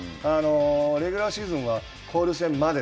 レギュラーシーズンは交流戦まで。